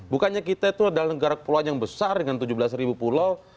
bukannya kita itu adalah negara kepulauan yang besar dengan tujuh belas ribu pulau